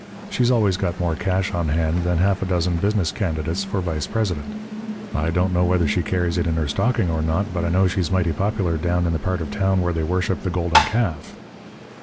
She's always got more cash on hand than half a dozen business candidates for vice president. I don't know whether she carries it in her stocking or not, but I know she's mighty popular down in the part of town where they worship the golden calf.